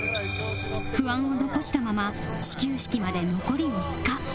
不安を残したまま始球式まで残り３日